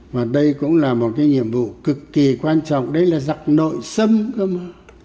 và đây cũng là một cái nhiệm vụ cực kỳ quan trọng đây là giặc nội sâm cơ mà